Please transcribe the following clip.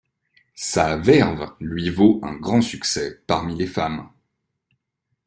Sa verve lui vaut un grand succès parmi les femmes.